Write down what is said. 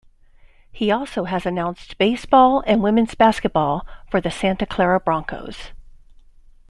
He also has announced baseball and women's basketball for the Santa Clara Broncos.